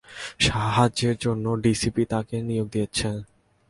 সাহায্যের জন্য ডিসিপি তাকে নিয়োগ দিয়েছেন।